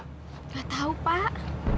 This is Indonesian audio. nggak tahu pak